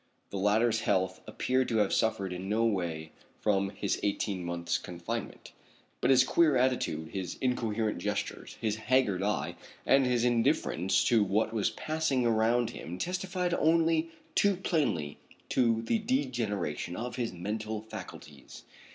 The latter's health appeared to have suffered in no way from his eighteen months' confinement; but his queer attitude, his incoherent gestures, his haggard eye, and his indifference to what was passing around him testified only too plainly to the degeneration of his mental faculties.